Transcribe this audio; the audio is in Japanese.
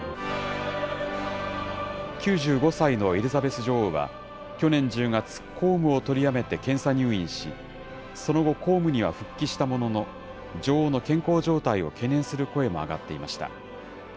９５歳のエリザベス女王は去年１０月、公務を取りやめて検査入院し、その後、公務には復帰したものの、女王の健康状態を懸念する声も上がっていました。